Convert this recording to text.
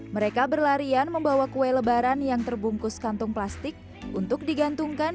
mereka berlarian membawa kue lebaran yang terbungkus kantung plastik untuk digantungkan